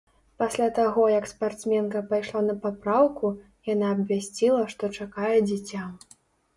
Пасля таго, як спартсменка пайшла на папраўку, яна абвясціла, што чакае дзіця.